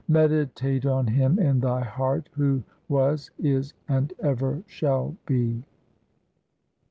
Meditate on Him in thy heart who was, is, and ever shall be.